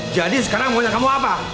jadi sekarang pokoknya kamu apa